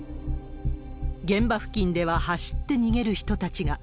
現場付近では走って逃げる人たちが。